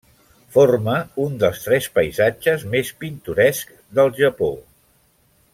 Forma un dels tres paisatges més pintorescs del Japó.